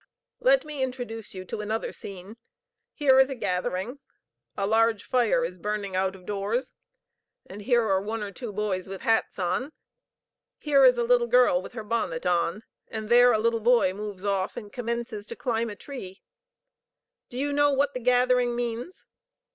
Let me introduce you to another scene: here is a gathering; a large fire is burning out of doors, and here are one or two boys with hats on. Here is a little girl with her bonnet on, and there a little boy moves off and commences to climb a tree. Do you know what the gathering means?